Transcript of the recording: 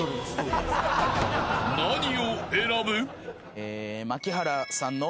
［何を選ぶ？］